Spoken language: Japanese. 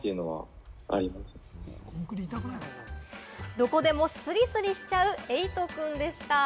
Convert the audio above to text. どこでもスリスリしちゃう、えいとくんでした。